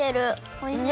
おいしい！